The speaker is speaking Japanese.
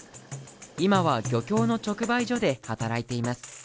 今は漁協の直売所で働いています